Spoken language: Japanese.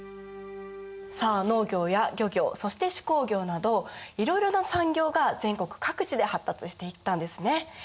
さあ農業や漁業そして手工業などいろいろな産業が全国各地で発達していったんですね。